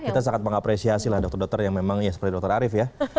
kita sangat mengapresiasi lah dokter dokter yang memang ya seperti dokter arief ya